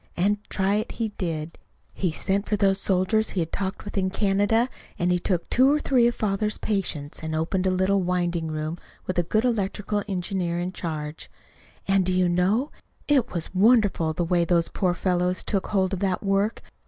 And try it he did. He sent for those soldiers he had talked with in Canada, and he took two or three of father's patients, and opened a little winding room with a good electrical engineer in charge. And, do you know? it was wonderful, the way those poor fellows took hold of that work!